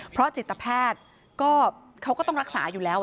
เพราะจิตแพทย์ก็เขาก็ต้องรักษาอยู่แล้ว